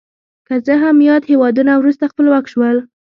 که څه هم یاد هېوادونه وروسته خپلواک شول.